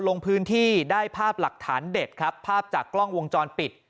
ลงพื้นที่ได้ภาพหลักฐานเด็ดครับภาพจากกล้องวงจรปิด